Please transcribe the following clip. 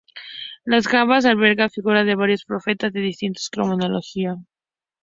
Las jambas albergan figuras de varios profetas de distinta cronología.